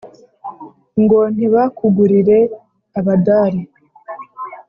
Ngo ntibakugurire abadari